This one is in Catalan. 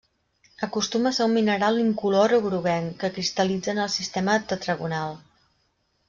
Acostuma a ser un mineral incolor o groguenc, que cristal·litza en el sistema tetragonal.